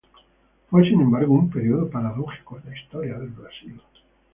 Fue, sin embargo, un período paradójico de la Historia del Brasil.